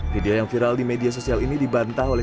sudah gagal saya memohon